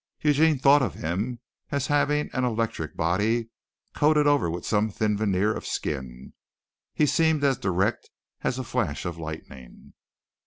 Eugene thought of him as having an electric body coated over with some thin veneer of skin. He seemed as direct as a flash of lightning.